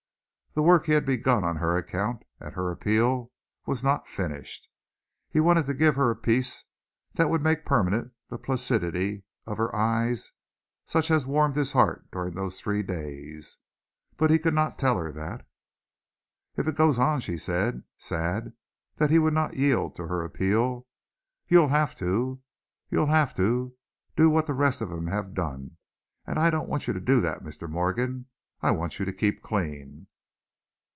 The work he had begun on her account, at her appeal, was not finished. He wanted to give her a peace that would make permanent the placidity of her eyes such as had warmed his heart during those three days. But he could not tell her that. "If it goes on," she said, sad that he would not yield to her appeal, "you'll have to you'll have to do what the rest of them have done. And I don't want you to do that, Mr. Morgan. I want you to keep clean."